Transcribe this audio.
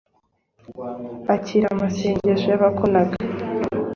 akira amasengesho y'abakugana